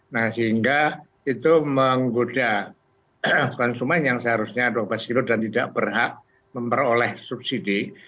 nah sehingga itu menggoda konsumen yang seharusnya dua belas kilo dan tidak berhak memperoleh subsidi